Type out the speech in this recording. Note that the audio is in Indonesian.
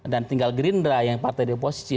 dan tinggal gerindra yang partai di oposisi